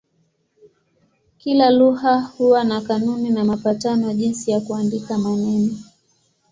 Kila lugha huwa na kanuni na mapatano jinsi ya kuandika maneno.